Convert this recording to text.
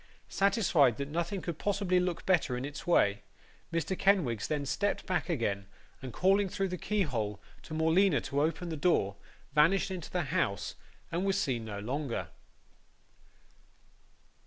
Satisfied that nothing could possibly look better in its way, Mr. Kenwigs then stepped back again, and calling through the keyhole to Morleena to open the door, vanished into the house, and was seen no longer.